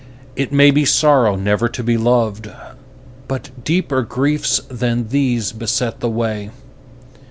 It may be sorrow never to be loved, But deeper griefs than these beset the way.